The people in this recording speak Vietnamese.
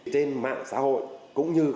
trên mạng xã hội cũng như các